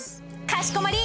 かしこまり！